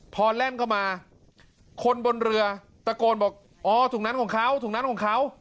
พอแล่นเข้ามาคนบนเรือตะโกนบอกอ๋อถุงนั้นของเขาถุงนั้นของเขา